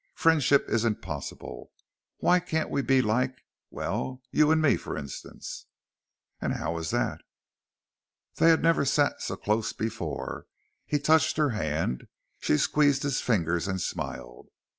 Friendship isn't possible. Why can't we be like well, you and me, for instance?" "And how is that?" They had never sat so close before. He touched her hand. She squeezed his fingers and smiled.